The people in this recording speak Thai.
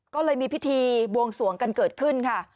ก็เลยมีพิธีบวงสวงกันเกิดขึ้นค่ะ